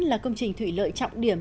là công trình thủy lợi trọng điểm